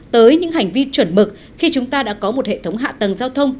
tới những hành vi chuẩn mực khi chúng ta đã có một hệ thống hạ tầng giao thông